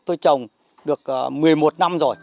tôi trồng được một mươi một năm rồi